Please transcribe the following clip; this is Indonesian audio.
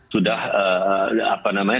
sudah apa namanya